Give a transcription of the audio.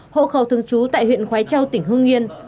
hộ khẩu thương chú tại huyện khói châu tỉnh hương yên